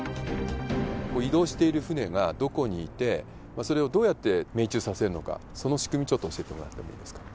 移動している船がどこにいて、それをどうやって命中させるのか、その仕組み、ちょっと教えてもらってもいいですか？